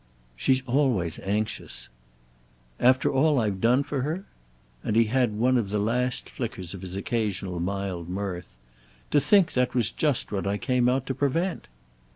"She's always anxious." "After all I've done for her?" And he had one of the last flickers of his occasional mild mirth. "To think that was just what I came out to prevent!"